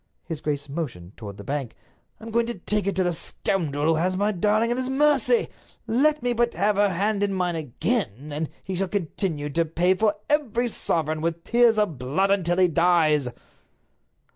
His grace motioned toward the bank. "I'm going to take it to the scoundrel who has my darling at his mercy. Let me but have her hand in mine again, and he shall continue to pay for every sovereign with tears of blood until he dies."